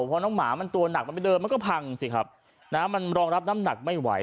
เพราะน้องหมามันตัวหนักมันไม่เดินมันก็พังสิครับนะฮะมันรองรับน้ำหนักไม่ไหว